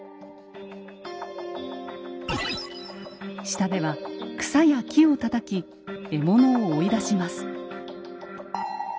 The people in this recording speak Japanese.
下では草や木をたたき獲物を追い出します。